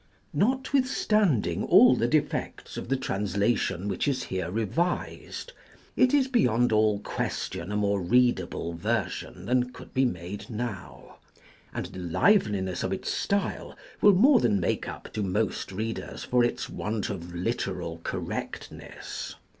Not withstanding all the defects of the translation which is here re vised, it is beyond all question a more readable version than could be made now; and the liveliness of its style will more than make up to most readers for its want of literal correctness.